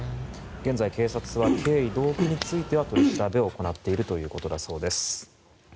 現在、警察は経緯、動機については取り調べを行っているということだそうです。